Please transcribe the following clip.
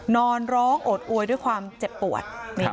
นอนร้องโอดอวยด้วยความเจ็บปวด